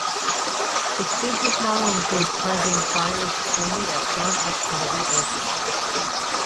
Its business model includes targeting flyers stranded at John F. Kennedy Airport.